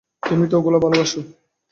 তুমি তো ওগুলো ভালোবাসো।